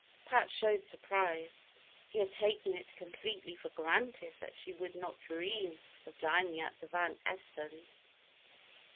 Pat showed surprise. He had taken it completely for granted that she would not dream of dining at the Van Estens'.